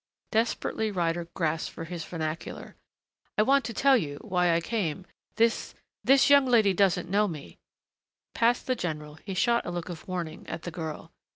Desperately Ryder grasped for his vernacular. "I want to tell you why I came. This this young lady doesn't know me." Past the general he shot a look of warning at the girl.